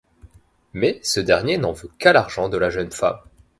Mais ce dernier n'en veut qu'à l'argent de la jeune femme...